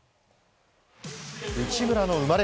内村の生まれ